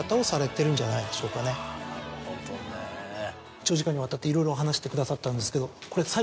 長時間にわたっていろいろ話してくださったんですけど。